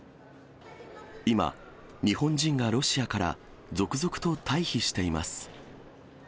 今、日本人がロシアから続々と退避しています。